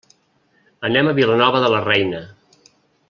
Anem a Vilanova de la Reina.